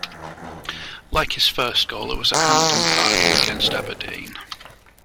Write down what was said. Like his first goal, it was at Hampden Park and against Aberdeen.